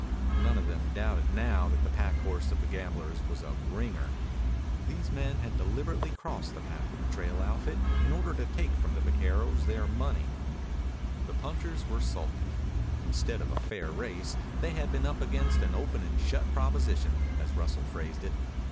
None of them doubted now that the pack horse of the gamblers was a "ringer." These men had deliberately crossed the path of the trail outfit in order to take from the vaqueros their money. The punchers were sulky. Instead of a fair race they had been up against an open and shut proposition, as Russell phrased it.